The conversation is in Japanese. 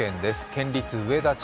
県立上田千